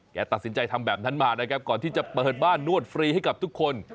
ตัดสินใจทำแบบนั้นมานะครับก่อนที่จะเปิดบ้านนวดฟรีให้กับทุกคน